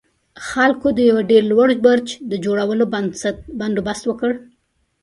خلکو د يوه ډېر لوړ برج د جوړولو بندوبست وکړ.